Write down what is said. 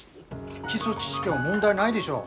基礎知識は問題ないでしょう。